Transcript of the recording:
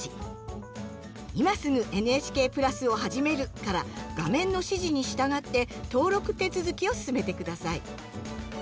「今すぐＮＨＫプラスをはじめる」から画面の指示に従って登録手続きを進めて下さい。